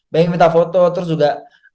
banyak minta foto terus juga